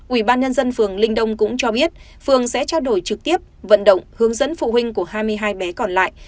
ubnd phường linh đông cũng cho biết phường sẽ trao đổi trực tiếp vận động hướng dẫn phụ huynh của hai mươi hai bé còn lại